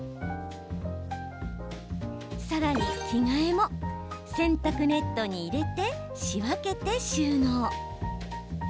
さらに、着替えも洗濯ネットに入れて仕分けて収納。